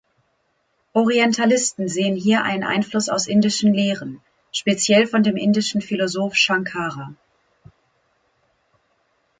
Orientalisten sehen hier einen Einfluss aus indischen Lehren, speziell von dem indischen Philosoph Shankara.